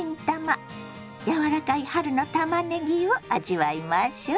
柔らかい春のたまねぎを味わいましょ。